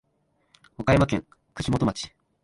和歌山県串本町